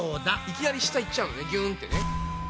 いきなり下行っちゃうのねびゅんってね。